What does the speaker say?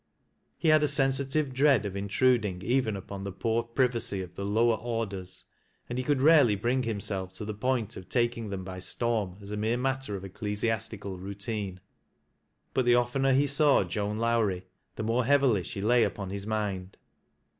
He hiid u sensitive dread cf intruding even upon the poor privatjy of the "lower orders," and he could rarely bring himself to the point of taking them by storm as a mere matter of ecclesiastical routine. But the oftener he saw Joan Lowrie, the more heavily she lay upon his mind.